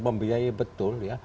membiayai betul ya